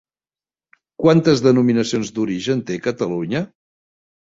Quantes denominacions d'origen té Catalunya?